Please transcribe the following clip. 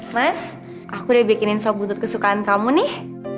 mas aku udah bikinin sop buntut kesukaan kamu nih